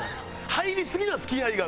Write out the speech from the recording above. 入りすぎなんです気合が。